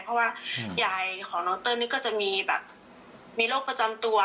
เพราะว่ายายของน้องเติ้ลนี่ก็จะมีแบบมีโรคประจำตัว